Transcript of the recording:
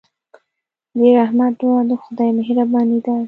د رحمت دعا د خدای مهرباني ده.